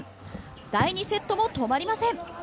第２セットも止まりません。